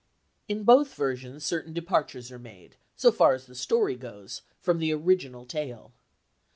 In both versions certain departures are made, so far as the story goes, from the original tale.